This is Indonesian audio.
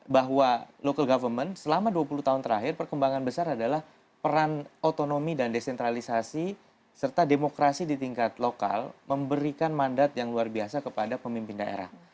bahwa local government selama dua puluh tahun terakhir perkembangan besar adalah peran otonomi dan desentralisasi serta demokrasi di tingkat lokal memberikan mandat yang luar biasa kepada pemimpin daerah